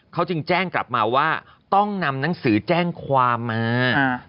เขาจึงแจ้งกลับมาว่าต้องนำหนังสือแจ้งความมา